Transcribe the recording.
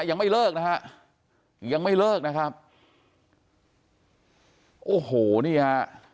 ยังไม่เลิกนะฮะยังไม่เลิกนะครับโอ้โหนี่ฮะ